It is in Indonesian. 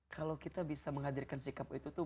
kalau kita bisa menghadirkan sikap itu tuh